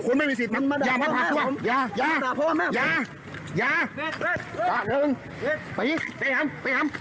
คุณไม่มีสิทธิ์อย่ามาผลักตัวอย่าอย่าอย่า